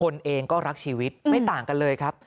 คนเองก็รักชีวิตไม่ต่างกันเลยครับ